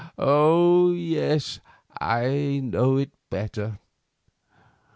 Oh! yes, I know better.